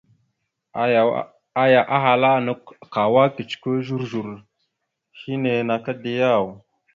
Aya ahala: « Nakw kawa kecəkwe zozor henne naka da yaw? ».